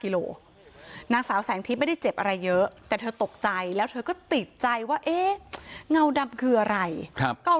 เลยเยอะแต่เธอตกใจแล้วเธอก็ปิดใจว่าเอ๊ะเงาดำคืออะไรครับกาล